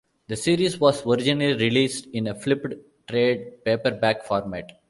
The series was originally released in a flipped trade paperback format.